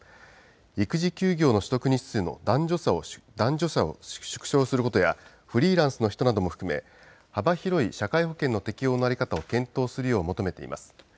育児休業の取得日数の男女差を縮小することやフリーランスの人なども含め幅広い社会保険の適用の在り方を検討するよう求めています。